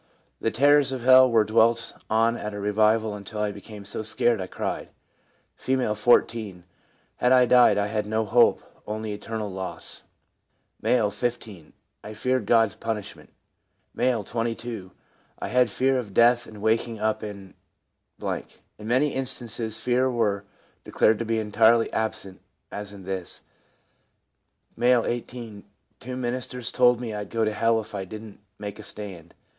The terrors of hell were dwelt on at revival until I became so scared I cried/ F.,. 14. * Had I died I had no hope, only eternal loss/ M., 15. ' I feared God's punishment/ M., 22. ' I had fear of death and waking up in / In many instances fears were declared to be entirely absent, as in this : M., 18. * Two ministers told me I'd go to hell if I didn't make a stand.